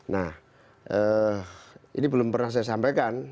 nah ini belum pernah saya sampaikan